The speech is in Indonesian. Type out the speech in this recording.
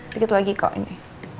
dikit lagi kok ini